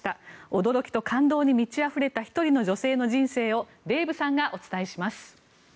驚きと感動に満ちあふれた１人の女性の人生をデーブさんがお伝えします。